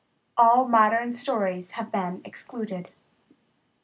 All modern stories have been excluded.